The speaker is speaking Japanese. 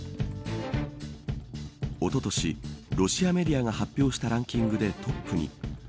おととしロシアメディアが発表したランキングでトップに。